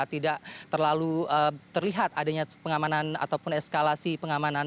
tidak terlalu terlihat adanya pengamanan ataupun eskalasi pengamanan